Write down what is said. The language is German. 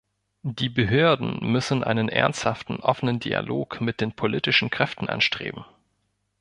Die Behörden müssen einen ernsthaften offenen Dialog mit den politischen Kräften anstreben.